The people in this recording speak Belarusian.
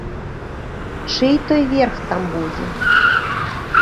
Чый той верх там будзе?